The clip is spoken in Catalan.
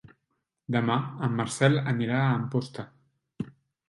Demà en Marcel anirà a Amposta.